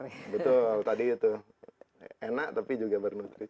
betul tadi itu enak tapi juga bernutrisi